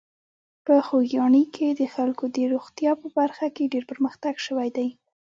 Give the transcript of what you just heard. په خوږیاڼي کې د خلکو د روغتیا په برخه کې ډېر پرمختګ شوی دی.